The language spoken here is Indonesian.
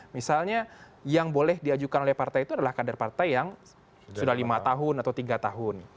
misalnya yang boleh diajukan oleh partai itu adalah kader partai yang sudah lima tahun atau tiga tahun